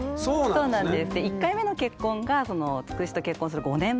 そうなんです。